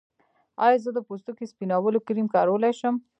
ایا زه د پوستکي سپینولو کریم کارولی شم؟